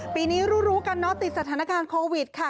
ปีนี้รู้กันเนาะติดสถานการณ์โควิดค่ะ